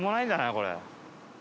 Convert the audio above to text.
これ。